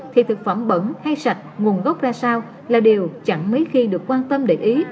thì thực phẩm bẩn hay sạch nguồn gốc ra sao là điều chẳng mấy khi được quan tâm để ý